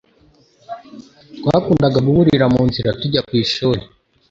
Twakundaga guhurira munzira tujya ku ishuri.